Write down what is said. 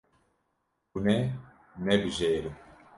Hûn ê nebijêrin.